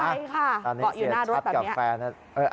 ใช่ค่ะเกาะอยู่หน้ารถกับแฟน